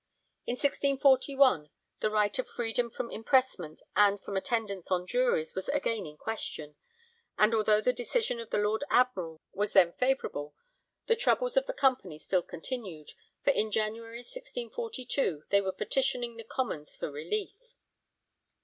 In 1641 the right of freedom from impressment and from attendance on juries was again in question, and although the decision of the Lord Admiral was then favourable the troubles of the Company still continued, for in January 1642 they were petitioning the Commons for relief.